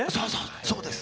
そうです。